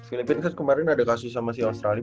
filipina kan kemarin ada kasus sama si australia